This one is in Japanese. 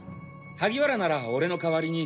萩原なら俺の代わりに。